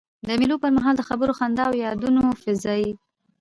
د مېلو پر مهال د خبرو، خندا او یادونو فضا يي.